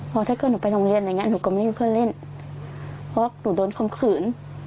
เพราะถ้าเกิดหนูไปโรงเรียนอย่างเงี้หนูก็ไม่มีเพื่อนเล่นเพราะหนูโดนคมขืน